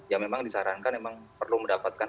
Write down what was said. ya memang disarankan memang perlu mendapatkan